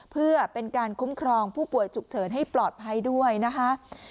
เพื่อเป็นการคุ้มครองผู้ป่วยฉุกเฉินให้ปลอดภัยด้วยนะคะ